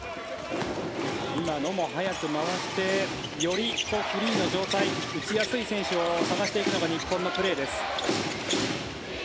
今のも速く回してよりフリーの状態の打ちやすい選手を探していくのが日本のプレーです。